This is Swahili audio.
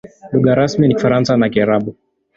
Lugha rasmi ni Kifaransa na Kiarabu.